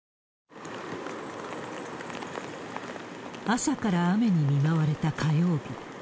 朝から雨に見舞われた火曜日。